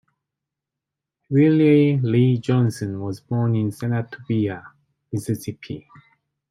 Willie Lee Johnson was born in Senatobia, Mississippi.